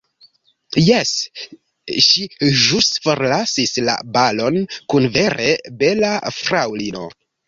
Jes, ŝi ĵus forlasis la balon kun vere bela fraŭlino.